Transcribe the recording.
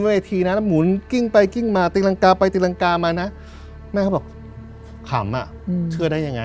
เวทีนั้นหมุนกิ้งไปกิ้งมาตีรังกาไปตีรังกามานะแม่เขาบอกขำอ่ะเชื่อได้ยังไง